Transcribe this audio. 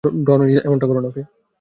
ডন, অমনটা করো না, ওকে?